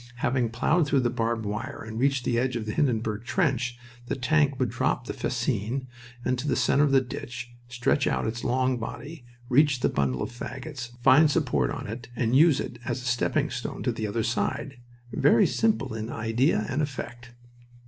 Having plowed through the barbed wire and reached the edge of the Hindenburg trench, the tank would drop the fascine into the center of the ditch, stretch out its long body, reach the bundle of fagots, find support on it, and use it as a stepping stone to the other side. Very simple in idea and effect!